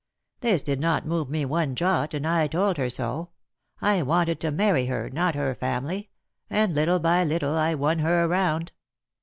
This did not move me one jot, and I told her so. I wanted to marry her —not her family; and little by little I won her round.